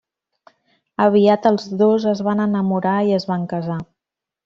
Aviat els dos es van enamorar i es van casar.